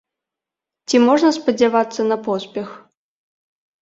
Ці можна спадзявацца на поспех?